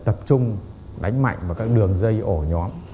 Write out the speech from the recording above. tập trung đánh mạnh vào các đường dây ổ nhóm